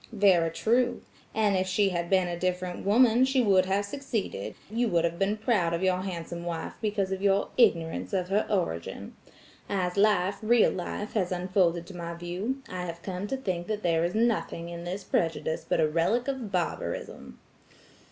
"Very true; and if she had been a different woman, she would have succeeded, you would have been proud of your handsome wife because of your ignorance of her origin. As life, real life, has unfolded to my view, I have come to think that there is nothing in this prejudice but a relic of barbarism."